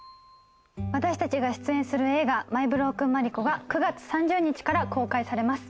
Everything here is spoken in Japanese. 私たちが出演する映画『マイ・ブロークン・マリコ』が９月３０日から公開されます。